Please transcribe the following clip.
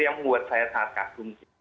itu yang membuat saya sangat khasum